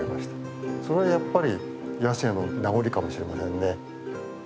それはやっぱり野生の名残かもしれませんね。